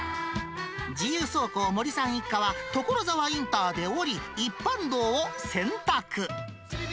自由走行、森さん一家は、所沢インターで降り、一般道を選択。